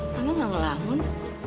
mama gak ngelamun